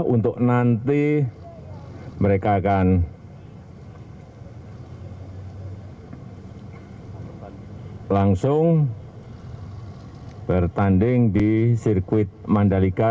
untuk nanti mereka akan langsung bertanding di sirkuit mandalika